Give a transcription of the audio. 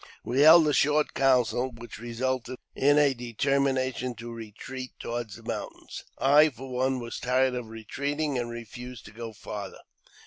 We held a short council, which resulted in a determination to retreat toward the mountains. I, for one, was tired of retreating, and refused to go farther.